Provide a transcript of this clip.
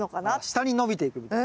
下に伸びていくみたいな。